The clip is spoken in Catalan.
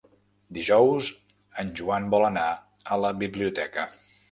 Dijous en Joan vol anar a la biblioteca.